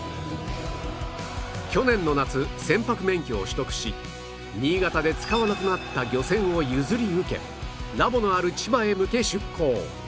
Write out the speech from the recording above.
去年の夏船舶免許を取得し新潟で使わなくなった漁船を譲り受けラボのある千葉へ向け出港